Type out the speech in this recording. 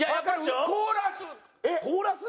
コーラス？